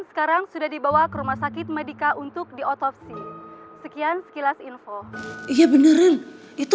sekarang sudah dibawa ke rumah sakit medica untuk diotopsi sekian sekilas info iya bener itu